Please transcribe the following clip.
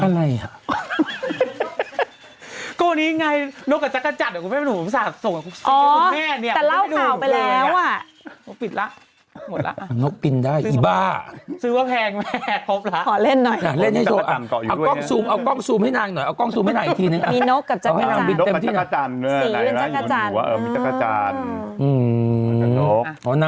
๔อะไรฮะก็ันนี้ไอ้ง่ายนกกับจากรจันเนี่ย